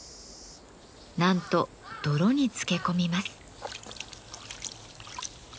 なんと泥につけ込みます。